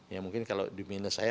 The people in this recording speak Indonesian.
ya mungkin kalau di minus saya